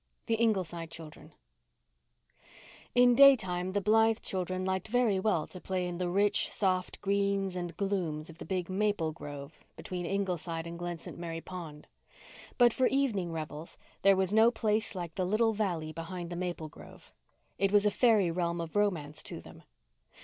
THE INGLESIDE CHILDREN In daytime the Blythe children liked very well to play in the rich, soft greens and glooms of the big maple grove between Ingleside and the Glen St. Mary pond; but for evening revels there was no place like the little valley behind the maple grove. It was a fairy realm of romance to them.